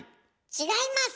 違います！